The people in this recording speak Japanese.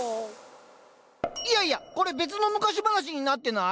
いやいやこれ別の昔話になってない？